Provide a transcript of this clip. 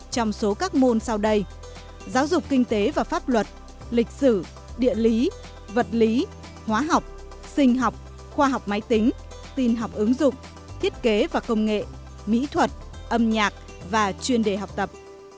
trong số các môn sau đây giáo dục kinh tế và pháp luật lịch sử địa lý vật lý hóa học sinh học khoa học máy tính tin học ứng dụng thiết kế và công nghệ mỹ thuật âm nhạc và chuyên đề học tập